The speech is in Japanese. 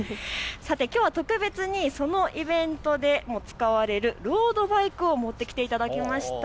きょうは特別にそのイベントで使われるロードバイクを持ってきていただきました。